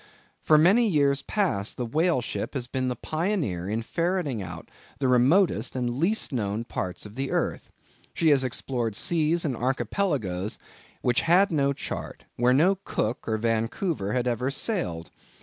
For many years past the whale ship has been the pioneer in ferreting out the remotest and least known parts of the earth. She has explored seas and archipelagoes which had no chart, where no Cook or Vancouver had ever sailed.